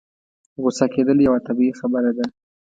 غوسه کېدل يوه طبيعي خبره ده.